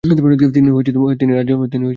তিনি রাজ্য পরিচালনা করেন।